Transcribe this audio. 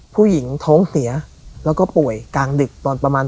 ผู้หญิงท้องเสียแล้วก็ป่วยกลางดึกตอนประมาณ